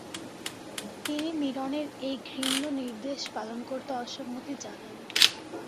তিনি মীরনের এই ঘৃণ্য নির্দেশ পালন করতে অসম্মতি জানান।